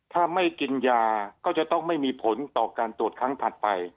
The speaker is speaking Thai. ถ้าไม่กินยาก็จะต้องไม่มีผลต่อการตรวจครั้งถัดไป